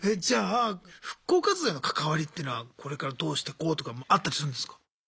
じゃあ復興活動への関わりっていうのはこれからどうしていこうとかあったりするんですか？